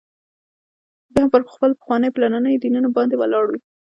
بیا هم پر خپلو پخوانیو پلرنيو دینونو باندي ولاړ وي.